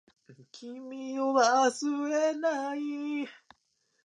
花火大会を見に行きました。